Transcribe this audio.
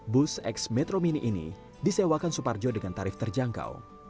bus eks metro mini ini disewakan suparjo dengan tarif terjangkau